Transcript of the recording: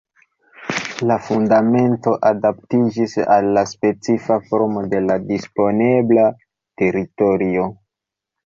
La fundamento adaptiĝis al la specifa formo de la disponebla teritorio.